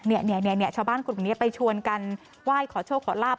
นี่ชาวบ้านคุณไปชวนกันว่ายขอโชคขอลาบ